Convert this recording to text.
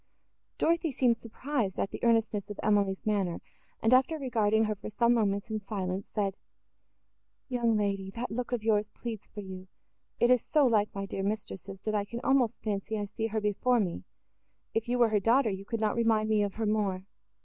Dorothée seemed surprised at the earnestness of Emily's manner, and, after regarding her for some moments, in silence, said, "Young lady! that look of yours pleads for you—it is so like my dear mistress's, that I can almost fancy I see her before me; if you were her daughter, you could not remind me of her more.